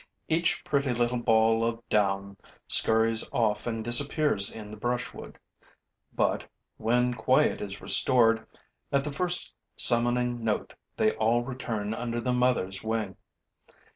Each pretty little ball of down scurries off and disappears in the brushwood; but, when quiet is restored, at the first summoning note they all return under the mother's wing.